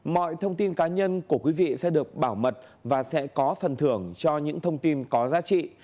mọi thông tin cá nhân của quý vị sẽ được bảo mật và sẽ có phần thưởng cho những thông tin có giá trị